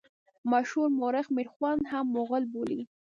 مشهور مورخ میرخوند هم مغول بولي.